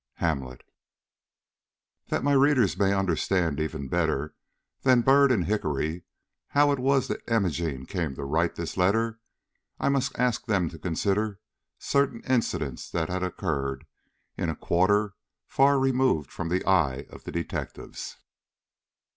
HAMLET. THAT my readers may understand even better than Byrd and Hickory how it was that Imogene came to write this letter, I must ask them to consider certain incidents that had occurred in a quarter far removed from the eye of the detectives.